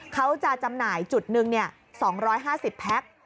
จำหน่ายจุดหนึ่ง๒๕๐แพ็ค